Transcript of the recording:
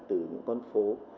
từ những con phố